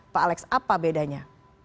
pak alex apa bedanya